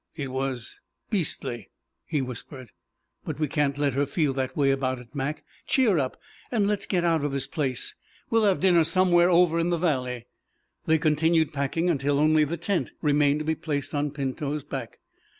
"It was beastly," he whispered. "But we can't let her feel that way about it, Mac. Cheer up and let's get out of this place. We'll have dinner somewhere over in the valley." They continued packing until only the tent remained to be placed on Pinto's back.